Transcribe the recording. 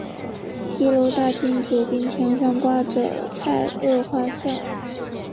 一楼大厅左边墙上挂着蔡锷画像。